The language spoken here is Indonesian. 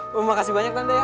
wah makasih banyak tante ya